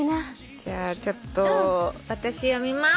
じゃあちょっと私読みます。